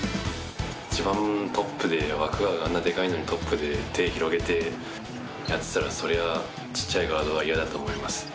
一番トップで湧川があんなでかいのにトップで手広げてやってたらそりゃあちっちゃいガードは嫌だと思います。